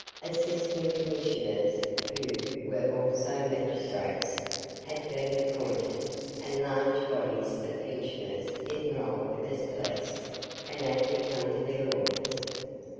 Assistant Commissioners (who were also magistrates) had been appointed, and large bodies of pensioners enrolled as police, and acting under their orders.